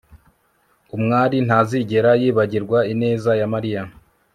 umwali ntazigera yibagirwa ineza ya Mariya